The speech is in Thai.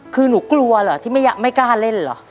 คือหนูกลัวเหรอที่ไม่กล้าเล่นเหรอ